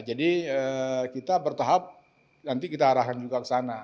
jadi kita bertahap nanti kita arahkan juga ke sana